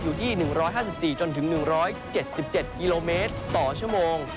อยู่ที่๑๕๔จนถึง๑๗๗กิโลเมตรต่อชั่วโมง